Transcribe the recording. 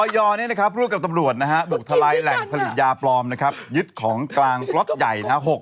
อยนี่นะครับพูดกับตำรวจนะครับบุกทะลายแหล่งผลิตยาปลอมนะครับยึดของกลางปลอดใหญ่นะครับ